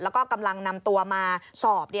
แล้วก็กำลังนำตัวมาสอบ